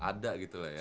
ada gitu ya